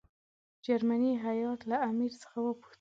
جرمني هیات له امیر څخه وغوښتل.